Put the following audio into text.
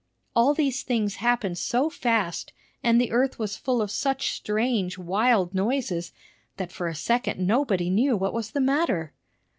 All these things happened so fast, and the earth was full of such strange, wild noises, that for a second nobody knew what was the matter.